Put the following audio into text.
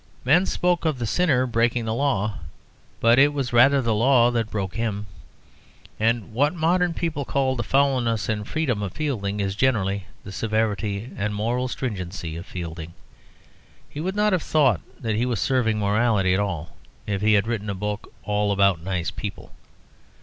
Men spoke of the sinner breaking the law; but it was rather the law that broke him. And what modern people call the foulness and freedom of Fielding is generally the severity and moral stringency of Fielding. He would not have thought that he was serving morality at all if he had written a book all about nice people.